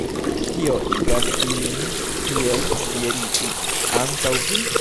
Kio igas ilin tiel fieriĝi antaŭ vi?